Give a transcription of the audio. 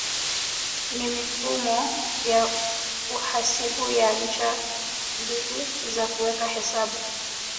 Ni mifumo ya uhasibu ya ncha mbili za kuweka hesabu